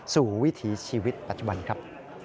วิถีชีวิตปัจจุบันครับ